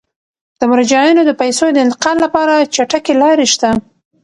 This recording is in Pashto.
د مراجعینو د پيسو د انتقال لپاره چټکې لارې شته.